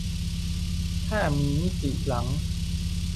ถ้ามีมิติหลัง